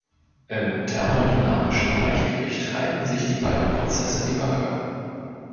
Im thermodynamischen Gleichgewicht halten sich die beiden Prozesse die Waage.